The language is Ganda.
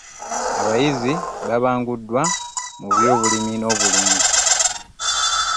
Abayizi babanguddwa mu by'obulimi n'obulunzi